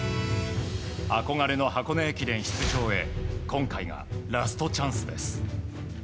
憧れの箱根駅伝出場へ今回がラストチャンスです。